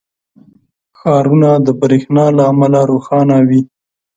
• ښارونه د برېښنا له امله روښانه وي.